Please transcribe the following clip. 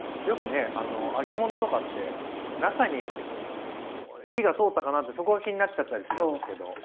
よくね揚げ物とかって中に火が通ったかなってそこが気になっちゃったりするんですけど。